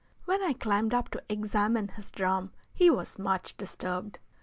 When I climbed up to examine his drum he was much disturbed.